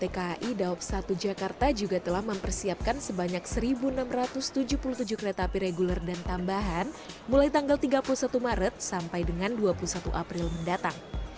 dengan angkutan lebaran tahun ini pt kai daop satu jakarta juga telah mempersiapkan sebanyak satu enam ratus tujuh puluh tujuh kereta api reguler dan tambahan mulai tanggal tiga puluh satu maret sampai dengan dua puluh satu april mendatang